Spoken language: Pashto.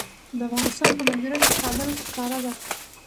د افغانستان په منظره کې کابل ښکاره ده.